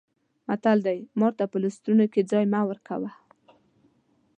متل دی: مار ته په لستوڼي کې ځای مه ورکوه.